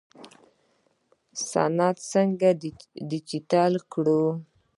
اسناد څنګه ډیجیټل کړو؟